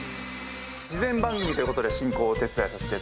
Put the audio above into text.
事前番組ということで進行お手伝いさせてもらいます